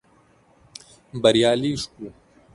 بريالي شوو.